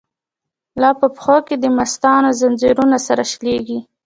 لاپه پښو کی دمستانو، ځنځیرونه سره شلیږی